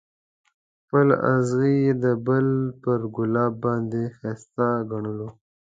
خپل اغزی یې د بل پر ګلاب باندې ښایسته ګڼلو.